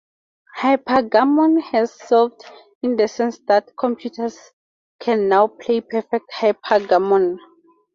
Hypergammon has been 'solved', in the sense that computers can now play perfect hypergammon.